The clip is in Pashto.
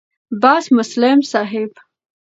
بس مسلم صاحب